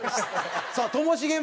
さあともしげも？